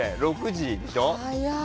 ６時でしょ。